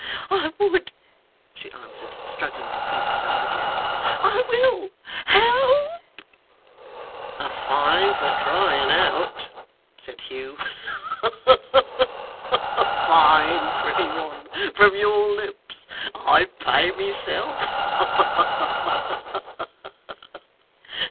'I would,' she answered, struggling to free herself again. 'I will. Help!' 'A fine for crying out,' said Hugh. 'Ha ha ha! A fine, pretty one, from your lips. I pay myself! Ha ha ha!